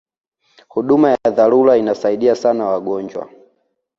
huduma ya dharura inasaidian sana wagonjwa